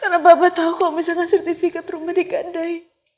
karena bapak tau kalau misalnya sertifikat rumah dikandai